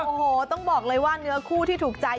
โอ้โหต้องบอกเลยว่าเนื้อคู่ที่ถูกใจ